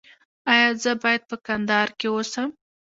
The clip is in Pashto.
ایا زه باید په کندهار کې اوسم؟